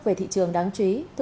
về thị trường đáng chú ý